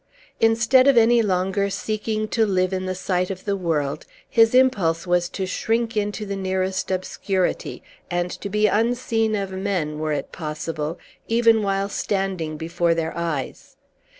Instead of any longer seeking to live in the sight of the world, his impulse was to shrink into the nearest obscurity, and to be unseen of men, were it possible, even while standing before their eyes.